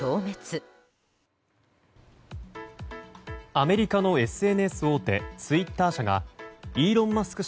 アメリカのＳＮＳ大手ツイッター社がイーロン・マスク